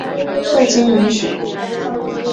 未经允许